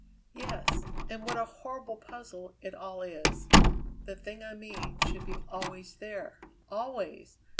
"Yes. And what a horrible puzzle it all is. The thing I mean should be always there always.